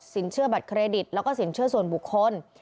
เชื่อบัตรเครดิตแล้วก็สินเชื่อส่วนบุคคล